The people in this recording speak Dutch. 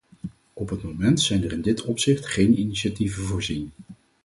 Op het moment zijn er in dit opzicht geen initiatieven voorzien.